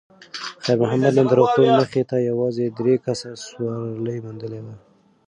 خیر محمد نن د روغتون مخې ته یوازې درې کسه سوارلي موندلې وه.